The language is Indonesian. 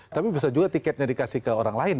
tapi bisa juga tiketnya dikasih ke orang lain